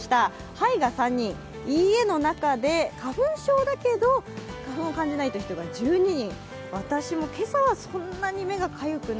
はいが３人、いいえの中で花粉症だけど、花粉を感じないという人が１２人。